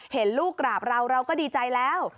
เห็นลูกกราบเราเราก็ดีใจแล้ว